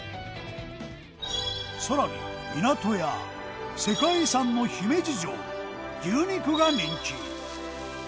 さらに港や世界遺産の姫路城牛肉が人気。